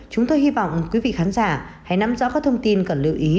chúng tôi hy vọng quý vị khán giả hãy nắm rõ các thông tin cần lưu ý